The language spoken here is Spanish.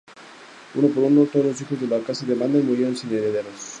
Uno por uno, todos los hijos de la Casa de Baden murieron sin herederos.